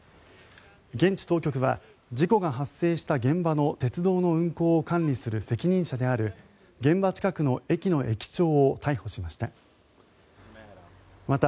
現地当局は事故が発生した現場の鉄道の運行を管理する責任者である現場近くの駅の駅長を逮捕しました。